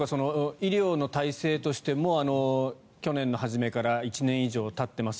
医療の体制として去年の初めから１年以上たっています。